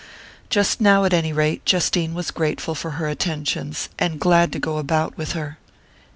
Just now, at any rate, Justine was grateful for her attentions, and glad to go about with her.